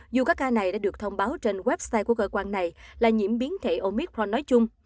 dù các ca này đã được thông báo trên website của cơ quan này là nhiễm biến thể omicron nói chung